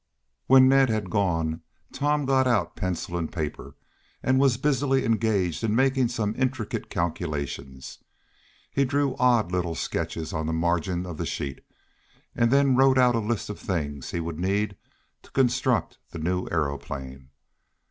When Ned had gone Tom got out pencil and paper, and was busily engaged in making some intricate calculations. He drew odd little sketches on the margin of the sheet, and then wrote out a list of the things he would need to construct the new aeroplane.